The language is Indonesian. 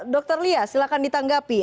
dr lia silakan ditanggapi